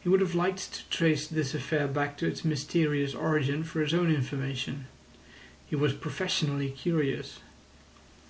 He would have liked to trace this affair back to its mysterious origin for his own information. He was professionally curious.